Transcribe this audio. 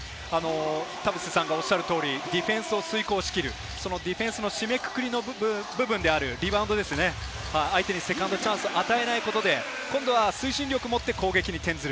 田臥さんもおっしゃるようにディフェンスを遂行しきる、ディフェンスの締めくくりの部分であるリバウンド、相手にセカンドチャンスを与えないことで、今度は推進力を持って攻撃に転ずる。